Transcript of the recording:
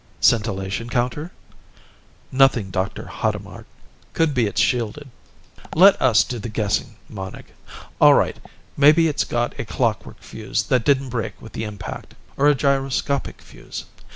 "Scintillation counter?" "Nothing, Dr. Hadamard. Could be it's shielded." "Let us do the guessing, Monig. All right, maybe it's got a clockwork fuse that didn't break with the impact. Or a gyroscopic fuse.